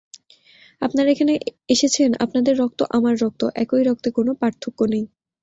আপনারা এখানে এসেছেন, আপনাদের রক্ত আমার রক্ত, একই রক্তে কোনো পার্থক্য নেই।